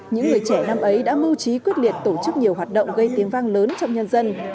những người trẻ năm ấy đã mưu trí quyết liệt tổ chức nhiều hoạt động gây tiếng vang lớn trong nhân dân